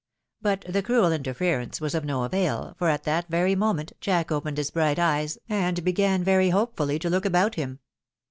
But the cruel interference was of no avail, for at that very moment Jack opened his bright eyes, and began very hopefully to look about him.